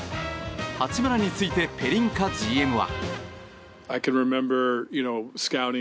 八村についてペリンカＧＭは。